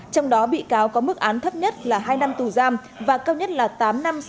trong đó bị cáo có mức án thấp nhất là hai năm tù giam và cao nhất là tám năm